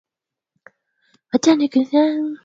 wa jamii ya asili ya Quechua anarejea tena na kueleza